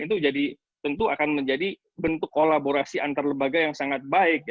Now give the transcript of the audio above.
itu tentu akan menjadi bentuk kolaborasi antar lembaga yang sangat baik